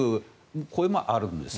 これもあるんです。